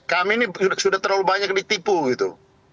nah nanti partai kami ini sudah terlalu banyak ditipu gitu